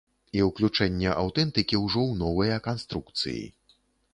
І ўключэнне аўтэнтыкі ўжо ў новыя канструкцыі.